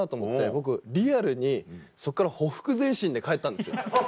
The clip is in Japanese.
僕リアルにそっからほふく前進で帰ったんですよ。